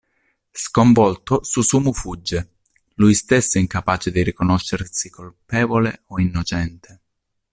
Sconvolto, Susumu fugge, lui stesso incapace di riconoscersi colpevole o innocente.